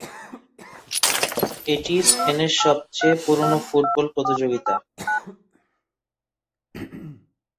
এটিই স্পেনের সবচেয়ে পুরনো ফুটবল প্রতিযোগিতা।